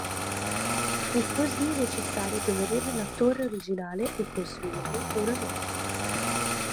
Fu così necessario demolire la torre originale e costruirne una nuova.